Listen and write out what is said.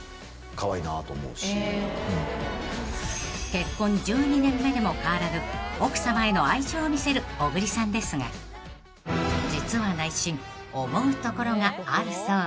［結婚１２年目でも変わらぬ奥さまへの愛情を見せる小栗さんですが実は内心思うところがあるそうで］